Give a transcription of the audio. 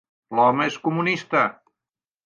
L'home és comunista!